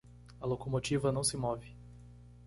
A locomotiva não se move